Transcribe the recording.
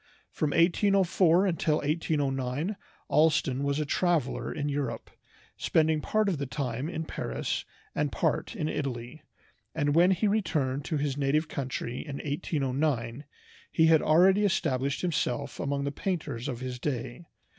From 1804 until 1809 Allston was a traveler in Europe, spending part of the time in Paris and part in Italy, and when he returned to his native country in 1809 he had already established himself among the painters of his day.